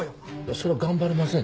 それは頑張れません。